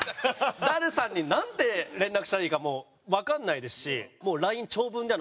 ダルさんになんて連絡したらいいかもわかんないですし。